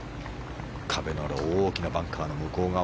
壁のある大きなバンカーの向こう側。